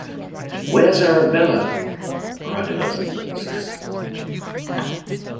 ‘Where’s Arabella?’ cried a dozen voices..